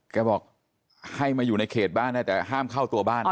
บอกให้มาอยู่ในเขตบ้านได้แต่ห้ามเข้าตัวบ้าน